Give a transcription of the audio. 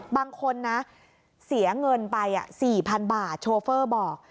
บางคนนะเสียเงินไป๔๐๐๐บาทโชเฟอร์บอก